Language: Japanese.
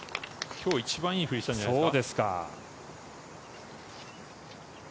今日一番いい振りしたんじゃないですか。